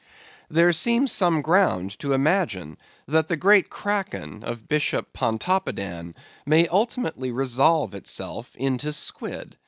There seems some ground to imagine that the great Kraken of Bishop Pontoppodan may ultimately resolve itself into Squid.